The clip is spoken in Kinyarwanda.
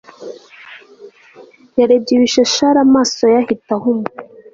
Yarebye ibishashara amaso ye ahita ahuma